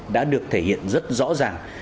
đã được thể hiện rất rõ ràng